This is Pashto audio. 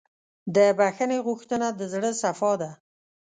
د بښنې غوښتنه د زړۀ صفا ده.